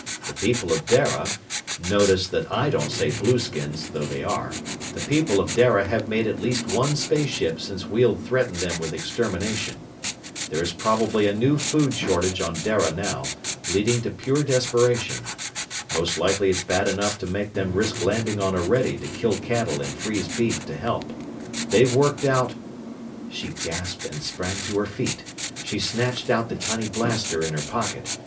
The people of Dara notice that I don't say blueskins, though they are the people of Dara have made at least one space ship since Weald threatened them with extermination. There is probably a new food shortage on Dara now, leading to pure desperation. Most likely it's bad enough to make them risk landing on Orede to kill cattle and freeze beef to help. They've worked out " She gasped and sprang to her feet. She snatched out the tiny blaster in her pocket.